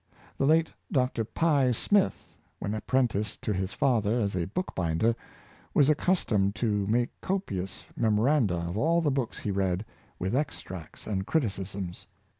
The late Dr. Pye Smith, when apprenticed to his father as a bookbinder, was accustomed to make copious memoranda of all the books he read, with extracts and criticisms.